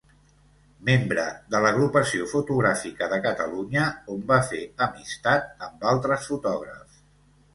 Membre de l'Agrupació Fotogràfica de Catalunya, on va fer amistat amb altres fotògrafs.